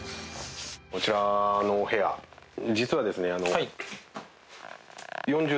こちらの部屋実はですねえっ？